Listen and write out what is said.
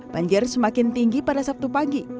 banjir semakin tinggi pada sabtu pagi